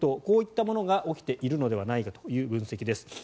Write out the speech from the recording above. こういったものが起きているのではないかという分析です。